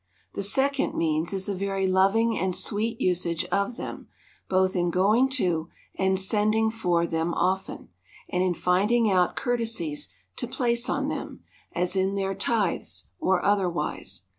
— The second means is a very loving and sweet usage of them, both in going to, and sending for them often, and in finding out courtesies to place on them ; as in their tithes, or otherwise.